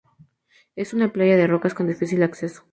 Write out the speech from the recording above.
Es una playa de rocas con difícil acceso.